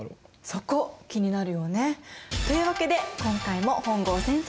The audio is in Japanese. そこ気になるよね？というわけで今回も本郷先生をお招きしました。